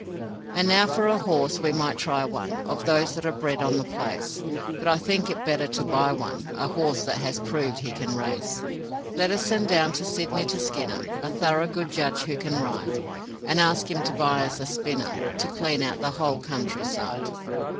'And now for a horse; we might try one Of those that are bred on the place, But I think it better to buy one, A horse that has proved he can race. Let us send down to Sydney to Skinner, A thorough good judge who can ride, And ask him to buy us a spinner To clean out the whole countryside.'